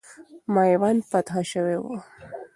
میوند فتح سوی وو.